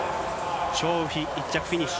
張雨霏、１着フィニッシュ。